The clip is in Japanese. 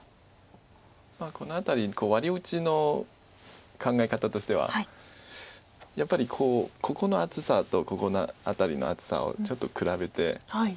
この辺りワリ打ちの考え方としてはやっぱりここの厚さとここの辺りの厚さをちょっと比べて。